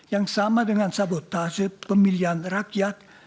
yang sama dengan sabotase pemilihan rakyat